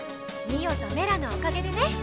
ミオとメラのおかげでね。